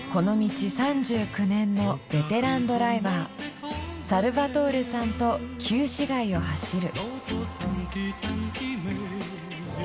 ３９年のベテランドライバーサルバトーレさんと旧市街を走る。